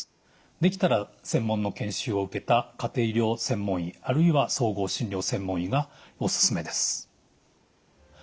できたら専門の研修を受けた家庭医療専門医あるいは総合診療専門医がおすすめです。